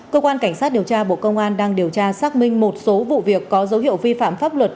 cơ quan cảnh sát điều tra bộ công an đang điều tra xác minh một số vụ việc có dấu hiệu vi phạm pháp luật